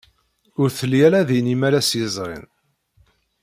Ur telli ara din imalas yezrin.